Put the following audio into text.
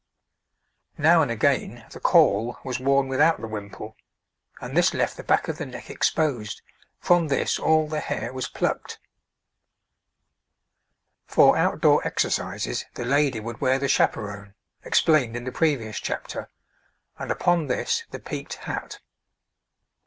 Now and again the caul was worn without the wimple, and this left the back of the neck exposed; from this all the hair was plucked. [Illustration: {Three types of head dress for women}] For outdoor exercises the lady would wear the chaperon (explained in the previous chapter), and upon this the peaked hat.